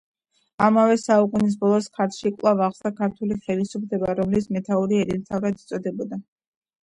ამავე საუკუნის ბოლოს ქართლში კვლავ აღსდგა ქართული ხელისუფლება, რომლის მეთაური ერისმთავრად იწოდებოდა.